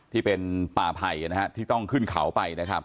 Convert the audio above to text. ที่เป็นป่าไผ่ที่ต้องขึ้นเขาไป